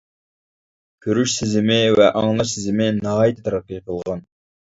كۆرۈش سېزىمى ۋە ئاڭلاش سېزىمى ناھايىتى تەرەققىي قىلغان.